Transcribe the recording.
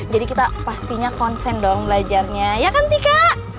jadi kita pastinya konsen dong belajarnya ya kan tika